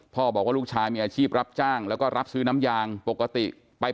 บอกว่าลูกชายมีอาชีพรับจ้างแล้วก็รับซื้อน้ำยางปกติไป